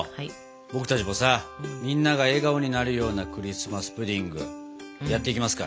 僕たちもさみんなが笑顔になるようなクリスマス・プディングやっていきますか。